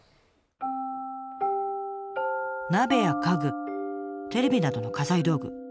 鍋や家具テレビなどの家財道具。